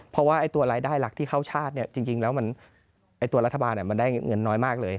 เพราะว่าตัวรายได้หลักที่เข้าชาติจริงแล้วตัวรัฐบาลมันได้เงินน้อยมากเลย